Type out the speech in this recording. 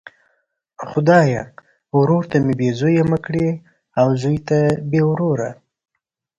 خدایه ورور ته مي بې زویه مه کړې او زوی ته بې وروره!